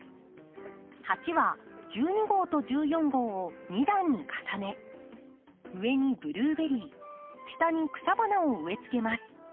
鉢は１２号と１４号を２段に重ね上にブルーベリー下に草花を植えつけます。